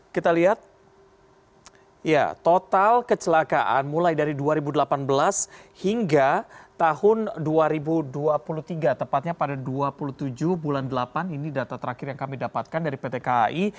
kita lihat total kecelakaan mulai dari dua ribu delapan belas hingga tahun dua ribu dua puluh tiga tepatnya pada dua puluh tujuh bulan delapan ini data terakhir yang kami dapatkan dari pt kai